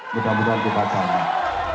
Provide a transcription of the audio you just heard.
mudah mudahan kita lihat